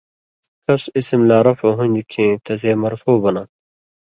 کس اسم لا رفع ہُوندیۡ کھیں تسے مرفوع بناں تھہ